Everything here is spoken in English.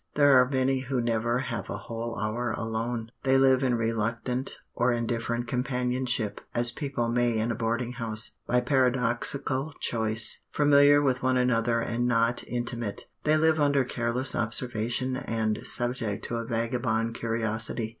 There are many who never have a whole hour alone. They live in reluctant or indifferent companionship, as people may in a boarding house, by paradoxical choice, familiar with one another and not intimate. They live under careless observation and subject to a vagabond curiosity.